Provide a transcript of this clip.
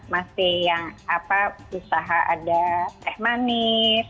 masih yang usaha ada teh manis